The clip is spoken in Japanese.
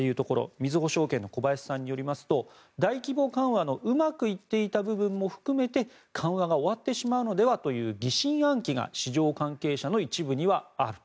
みずほ証券の小林さんによりますと大規模緩和のうまくいっていた部分も含めて緩和が終わってしまうのではという疑心暗鬼が市場関係者の一部にはあると。